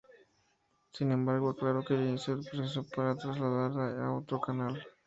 Sin embargo aclaró que inicio el proceso para trasladarla a otro canal.